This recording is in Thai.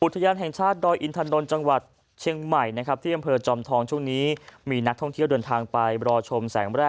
อุตญานแห่งชาติดอยอินทรนจังหวัดเชียงใหม่